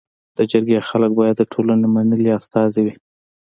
د جرګي خلک باید د ټولني منلي استازي وي.